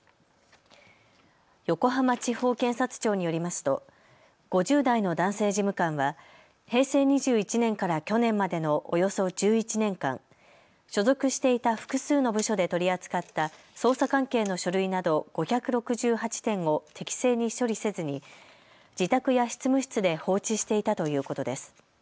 横浜地方検察庁によりますと５０代の男性事務官は平成２１年から去年までのおよそ１１年間、所属していた複数の部署で取り扱った捜査関係の書類など５６８点を適正に処理せずに自宅や執務室で放置していたということです。